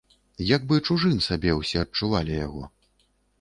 Як бы чужым сабе ўсе адчувалі яго.